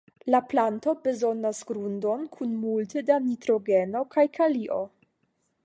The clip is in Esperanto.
La planto bezonas grundon kun multe da nitrogeno kaj kalio.